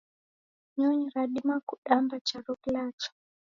Nyonyi radima kudamba charo kilacha